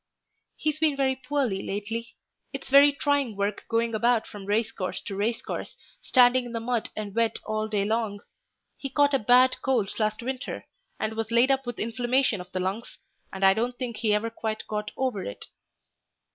"He's been very poorly lately. It's very trying work going about from race course to race course, standing in the mud and wet all day long.... He caught a bad cold last winter and was laid up with inflammation of the lungs, and I don't think he ever quite got over it."